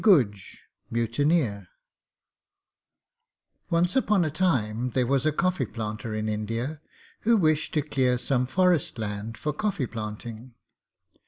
MOTI GUJ MUTINEER Once upon a time there was a coffee planter in India who wished to clear some forest land for coffee planting.